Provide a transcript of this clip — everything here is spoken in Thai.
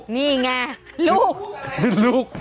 นี่ไงลูก